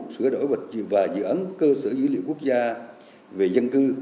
sửa đổi và dự án cơ sở dữ liệu quốc gia về dân cư